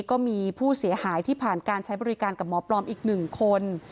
ก็มีผู้เสียหายที่ผ่านการใช้บริการกับหมอปลอมอีก๑คน